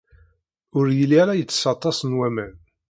Ur yelli ara yettess aṭas n waman.